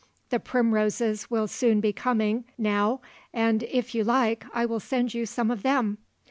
The primroses will soon be coming now and, if you like, I will send you some of them.